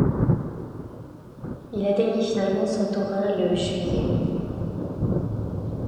Il atteignit finalement Santorin le juillet.